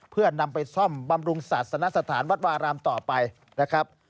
เพื่อนำไปซ่อมบำรุงศาสนสถานวัดวารามต่อไปนะครับ